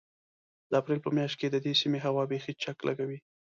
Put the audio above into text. د اپرېل په مياشت کې د دې سيمې هوا بيخي چک لګوي.